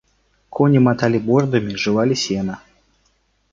Кони мотали мордами, жевали сено.